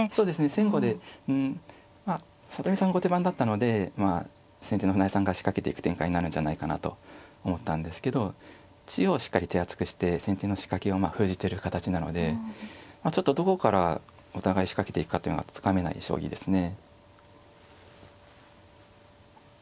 先後でまあ里見さん後手番だったので先手の船江さんが仕掛けていく展開になるんじゃないかなと思ったんですけど中央をしっかり手厚くして先手の仕掛けを封じてる形なのでちょっとどこからお互い仕掛けていくかっていうのがつかめない将棋ですね。